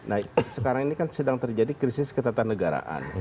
arogan ini kan sedang terjadi krisis ketatanegaraan